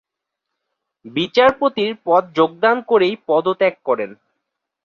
বিচারপতির পদ যোগদান করেই পদত্যাগ করেন।